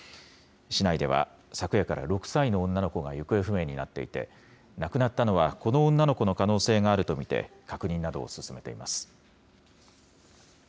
市内では、昨夜から６歳の女の子が行方不明になっていて、亡くなったのはこの女の子の可能性があると見て、確認などを進めています。